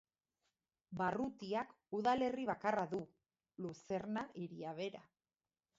Barrutiak udalerri bakarra du, Luzerna hiria bera.